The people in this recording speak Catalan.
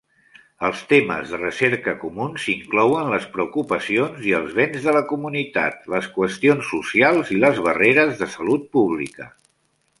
Els temes de recerca comuns inclouen les preocupacions i els béns de la comunitat, les qüestions socials i les barreres de salut pública.